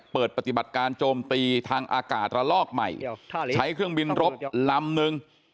เปิดปฏิบัติการโจมตีทางอากาศระลอกใหม่ใช้เครื่องบินรบลำนึง